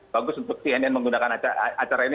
bagus untuk cnn menggunakan acara ini